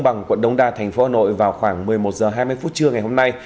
bằng quận đông đa thành phố hà nội vào khoảng một mươi một h hai mươi phút trưa ngày hôm nay